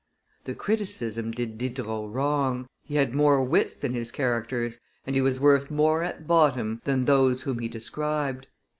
The criticism did Diderot wrong: he had more wits than his characters, and he was worth more at bottom than those whom he described.